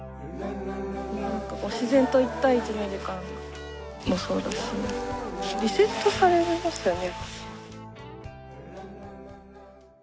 自然と１対１の時間もそうだしリセットされますよね。